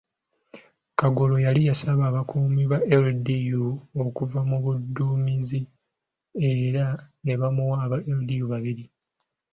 Kagolo yali yasaba abakuumi ba LDU okuva ku muduumizi era ne bamuwa aba LDU babiri.